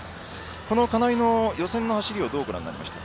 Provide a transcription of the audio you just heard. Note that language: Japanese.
この金井の予選の走りをどうご覧になりましたか。